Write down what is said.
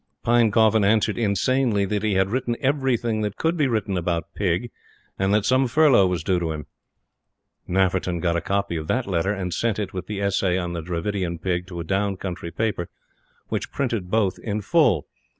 Pinecoffin answered insanely that he had written everything that could be written about Pig, and that some furlough was due to him. Nafferton got a copy of that letter, and sent it, with the essay on the Dravidian Pig, to a down country paper, which printed both in full.